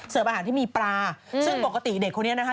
อาหารที่มีปลาซึ่งปกติเด็กคนนี้นะคะ